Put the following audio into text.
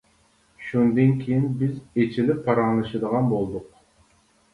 شۇندىن كىيىن بىز ئىچىلىپ پاراڭلىشىدىغان بولدۇق.